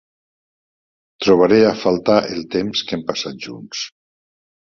Trobaré a faltar el temps que hem passat junts.